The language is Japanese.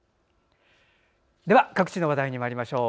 では各地の話題にまいりましょう。